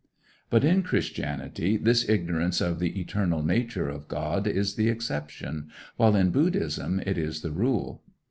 But in Christianity this ignorance of the eternal nature of God is the exception, while in Buddhism it is the rule.